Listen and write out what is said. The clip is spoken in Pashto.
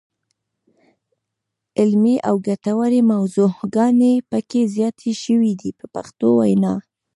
علمي او ګټورې موضوعګانې پکې زیاتې شوې دي په پښتو وینا.